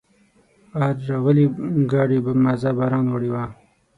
آر راغلي ګاډي مزه باران وړې وه.